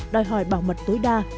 đòi hỏi bảo mật tối đa